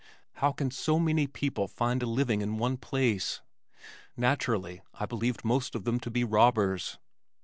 "How can so many people find a living in one place?" Naturally I believed most of them to be robbers.